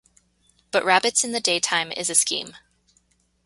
But rabbits in the daytime is a scheme.